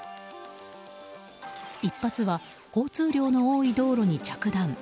１発は、交通量の多い道路に着弾。